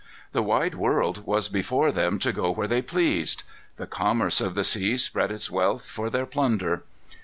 The wide world was before them to go where they pleased. The commerce of the seas spread its wealth for their plunder.